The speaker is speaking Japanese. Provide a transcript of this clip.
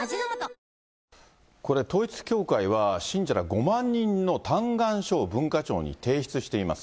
これ、統一教会は、信者ら５万人の嘆願書を文化庁に提出しています。